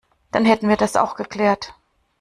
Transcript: Dann hätten wir das auch geklärt.